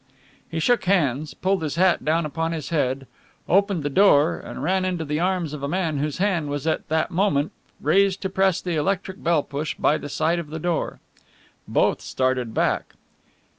He shook hands, pulled his hat down upon his head, opened the door and ran into the arms of a man whose hand was at that moment raised to press the electric bell push by the side of the door. Both started back.